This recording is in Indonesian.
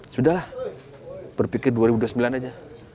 sudah lah berpikir dua ribu dua puluh sembilan aja